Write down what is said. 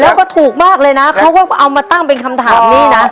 แล้วก็ถูกมากเลยนะเขาก็เอามาตั้งเป็นคำถามนี้นะ